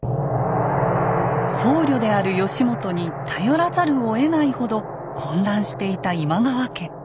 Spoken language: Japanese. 僧侶である義元に頼らざるをえないほど混乱していた今川家。